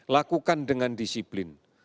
lakukan dengan disiplin